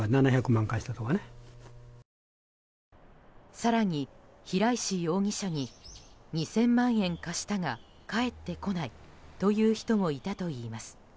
更に、平石容疑者に２０００万円貸したが返ってこないという人もいたといいます。